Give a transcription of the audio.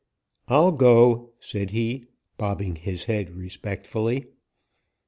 'I'll go,' said he, bobbing his head respectfully.